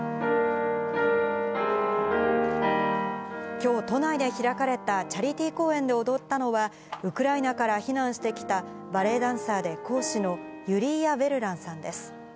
きょう、都内で開かれたチャリティー公演で踊ったのは、ウクライナから避難してきたバレエダンサーで講師のユリーア・ヴェルランさんです。